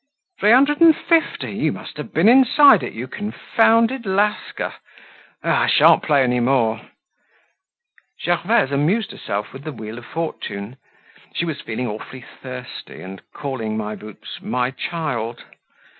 "Three hundred and fifty! You must have been inside it, you confounded lascar! Ah! I shan't play any more!" Gervaise amused herself with the wheel of fortune. She was feeling awfully thirsty, and calling My Boots "my child."